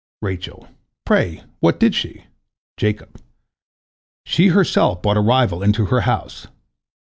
Rachel: "Pray, what did she?" Jacob: "She herself brought a rival into her house."